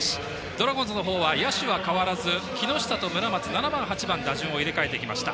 ドラゴンズの方は野手は変わらず木下と村松７番、８番打順を入れ替えてきました。